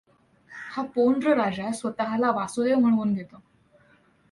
हा पोंड्र राजा स्वतः ला वासुदेव म्हणवून घेतो.